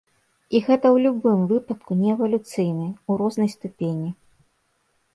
І гэта ў любым выпадку не эвалюцыйны, у рознай ступені.